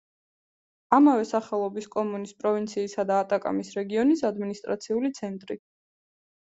ამავე სახელობის კომუნის, პროვინციისა და ატაკამის რეგიონის ადმინისტრაციული ცენტრი.